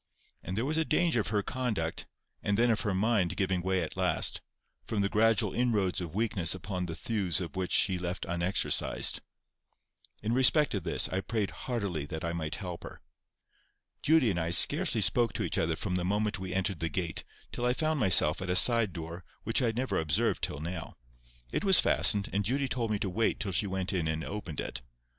And there was a danger of her conduct and then of her mind giving way at last, from the gradual inroads of weakness upon the thews which she left unexercised. In respect of this, I prayed heartily that I might help her. Judy and I scarcely spoke to each other from the moment we entered the gate till I found myself at a side door which I had never observed till now. It was fastened, and Judy told me to wait till she went in and opened it.